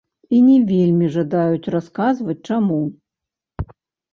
І не вельмі жадаюць расказваць, чаму.